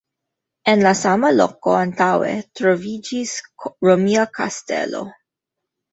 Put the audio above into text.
En la sama loko antaŭe troviĝis Romia kastelo.